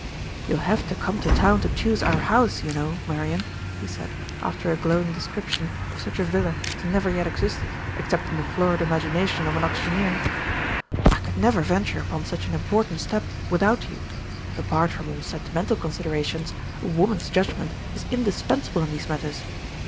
"You will have to come to town to choose our house, you know, Marian," he said, after a glowing description of such a villa as never yet existed, except in the florid imagination of an auctioneer; "I could never venture upon such an important step without you: apart from all sentimental considerations, a woman's judgment is indispensable in these matters.